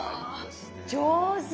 上手！